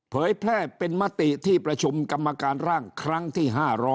เผยแพร่เป็นมติที่ประชุมกรรมการร่างครั้งที่๕๐๐